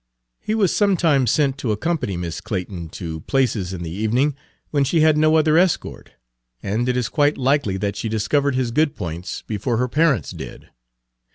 He was sometimes sent to accompany Miss Clayton to places in the evening, when she had no other escort, and it is quite likely that she discovered his good points before her parents did.